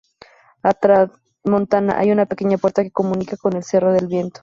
A tramontana, hay una pequeña puerta que comunica con el Cerro del Viento.